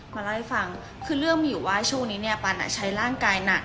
มาเล่าให้ฟังคือเรื่องมีอยู่ว่าช่วงนี้เนี่ยปันใช้ร่างกายหนัก